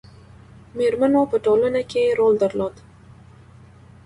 میرمنو په ټولنه کې رول درلود